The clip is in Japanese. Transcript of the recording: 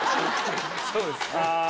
そうですね